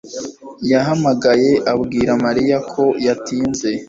yahamagaye abwira Mariya ko yatinze.